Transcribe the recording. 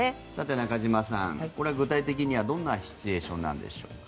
中島さん、具体的にはどんなシチュエーションなんでしょう。